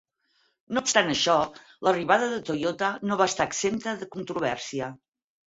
No obstant això, l'arribada de Toyota no va estar exempta de controvèrsia.